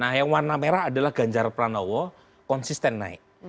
nah yang warna merah adalah ganjar pranowo konsisten naik